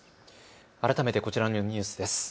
改めてこちらのニュースです。